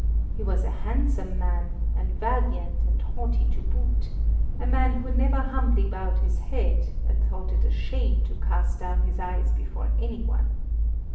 He was a handsome man, and valiant and haughty to boot, a man who never humbly bowed his head, and thought it a shame to cast down his eyes before any one.